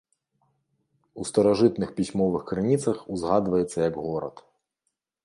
У старажытных пісьмовых крыніцах узгадваецца як горад.